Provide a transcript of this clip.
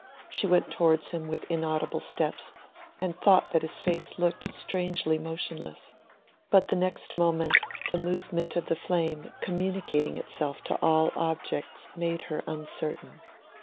She went towards him with inaudible steps, and thought that his face looked strangely motionless; but the next moment the movement of the flame communicating itself to all objects made her uncertain.